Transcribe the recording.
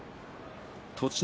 栃ノ